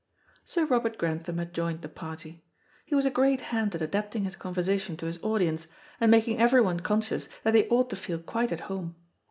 Sir Robert Grantham had joined the party. He was a great hand at adapting his conversation to his audience, and making everyone conscious that they ought to feel quite at home.